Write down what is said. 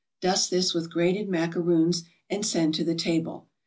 Dust this with grated macaroons, and send to the table.